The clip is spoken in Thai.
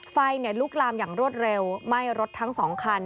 ไฟลุกลามอย่างรวดเร็วไหม้รถทั้ง๒คัน